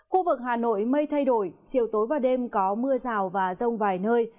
khu vực hà nội mây thay đổi chiều tối và đêm có mưa rào và rông vài nơi